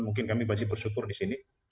mungkin kami masih bersyukur disini